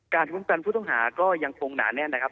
คุ้มกันผู้ต้องหาก็ยังคงหนาแน่นนะครับ